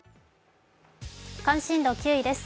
関心度９位です。